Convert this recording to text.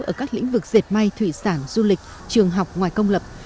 ở các lĩnh vực dệt may thủy sản du lịch trường học ngoài công lập